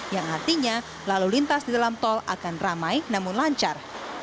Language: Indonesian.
yang artinya lalu lintas di dalam tol akan ramai namun lancar